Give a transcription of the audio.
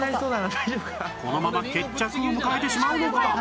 このまま決着を迎えてしまうのか？